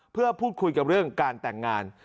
เพื่อพูดคุยกับเรื่องการแต่งงาน